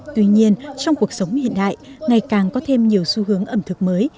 tuy nhiên trong cuộc sống hiện đại ngày càng có thêm nhiều xu hướng ẩm thực mới